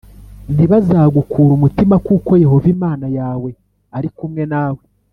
Ntibazagukure umutima, kuko Yehova Imana yawe ari kumwe nawe;